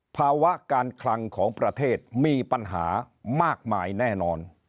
ภาวะการคลังของประเทศมีปัญหามากมายแน่นอน